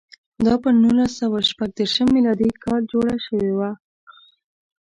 دا پر نولس سوه شپږ دېرش میلادي کال جوړه شوې وه.